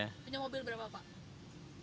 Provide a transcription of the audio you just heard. punya mobil berapa pak